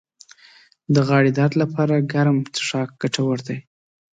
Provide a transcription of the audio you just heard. د غاړې درد لپاره ګرم څښاک ګټور دی